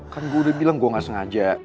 kan gue udah bilang gue gak sengaja